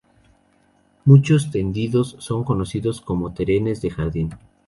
Muchos tendidos son conocidos como "trenes de jardín".